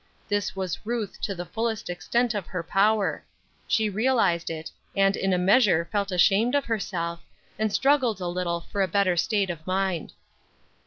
This was Ruth to the fullest extent of her power; she realized it, and in a measure felt ashamed of herself, and struggled a little for a better state of mind.